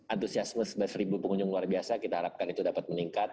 antusiasme sebelas ribu pengunjung luar biasa kita harapkan itu dapat meningkat